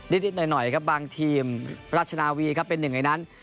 นิดหน่อยครับบางทีมราชนาวีครับเป็นหนึ่งในนั้น